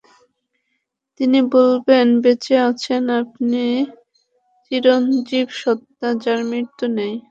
তিনি বলবেন, বেঁচে আছেন আপনি চিরঞ্জীব সত্তা, যার মৃত্যু নেই।